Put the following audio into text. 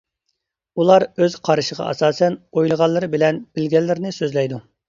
ئۇلار ئۆز قارىشىغا ئاساسەن، ئويلىغانلىرى بىلەن بىلگەنلىرىنى سۆزلەيدۇ.